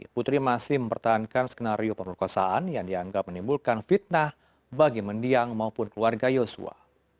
putri masih mempertahankan skenario pemerkosaan yang dianggap menimbulkan fitnah bagi mendiang maupun keluarga yosua